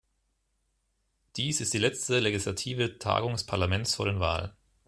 Dies ist die letzte legislative Tagung des Parlaments vor den Wahlen.